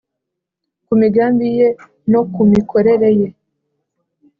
ku migambi ye no ku mikorere ye...